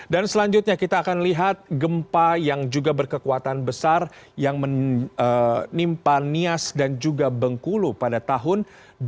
dan selanjutnya kita akan lihat gempa yang juga berkekuatan besar yang menimpa nias dan juga bengkulu pada tahun dua ribu lima